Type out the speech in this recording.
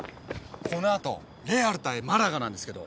この後レアル対マラガなんですけど。